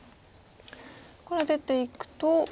これは出ていくと。